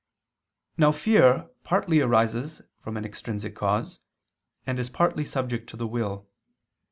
Now fear partly arises from an extrinsic cause, and is partly subject to the will.